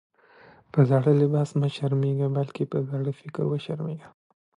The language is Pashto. په زاړه لباس مه شرمېږئ! بلکي په زاړه فکر وشرمېږئ.